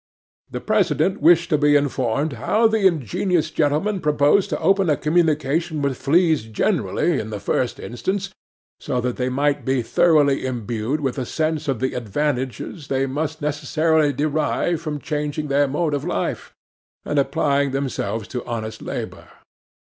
'THE PRESIDENT wished to be informed how the ingenious gentleman proposed to open a communication with fleas generally, in the first instance, so that they might be thoroughly imbued with a sense of the advantages they must necessarily derive from changing their mode of life, and applying themselves to honest labour.